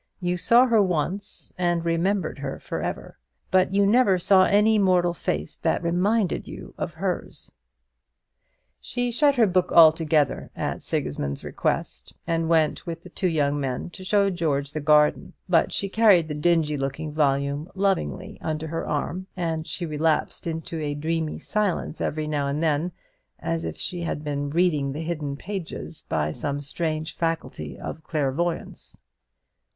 You saw her once, and remembered her for ever; but you never saw any mortal face that reminded you of hers. She shut her book altogether at Sigismund's request, and went with the two young men to show George the garden; but she carried the dingy looking volume lovingly under her arm, and she relapsed into a dreamy silence every now and then, as if she had been reading the hidden pages by some strange faculty of clairvoyance.